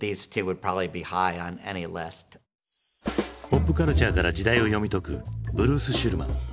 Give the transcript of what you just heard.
ポップカルチャーから時代を読み解くブルース・シュルマン。